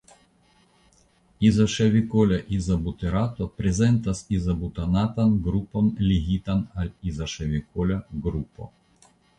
Izoŝavikola izobuterato prezentas izobutanatan grupon ligitan al izoŝavikola grupo.